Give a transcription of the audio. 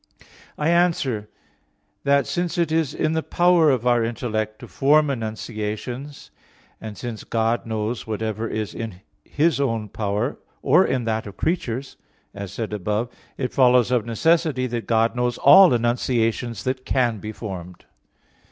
I answer that, Since it is in the power of our intellect to form enunciations, and since God knows whatever is in His own power or in that of creatures, as said above (A. 9), it follows of necessity that God knows all enunciations that can be formed.